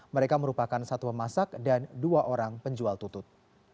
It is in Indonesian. mereka merupakan satu pemasak dan dua orang penjual tutut